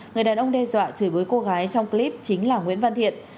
người đàn ông đe dọa chửi bới cô gái trong clip chính là nguyễn văn thiện